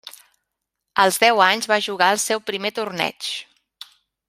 Els deu anys va jugar el seu primer torneig.